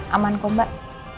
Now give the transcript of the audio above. aman kok mbak